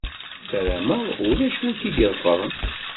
Sarameɣ ulac win i k-d-iḍefren.